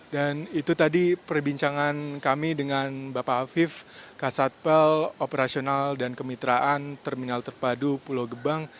dan itu tadi perbincangan kami dengan bapak afif kasatpel operasional dan kemitraan terminal terpadu pulau gebang